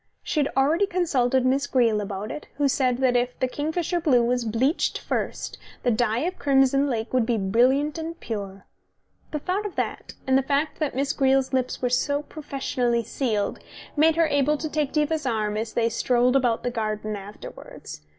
She had already consulted Miss Greele about it, who said that if the kingfisher blue was bleached first the dye of crimson lake would be brilliant and pure. ... The thought of that, and the fact that Miss Greele's lips were professionally sealed, made her able to take Diva's arm as they strolled about the garden afterwards.